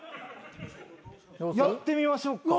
やってみましょうか。